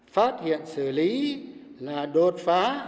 phát hiện xử lý là đột phá